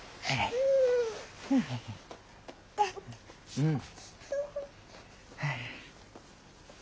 うん。